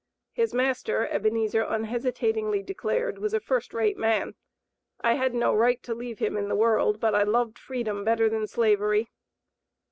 His master, Ebenezer unhesitatingly declared, was a first rate man. "I had no right to leave him in the world, but I loved freedom better than Slavery."